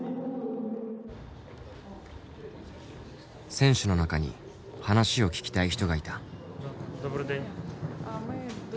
選手の中に話を聞きたい人がいた。